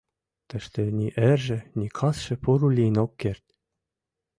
— Тыште ни эрже, ни касше поро лийын ок керт!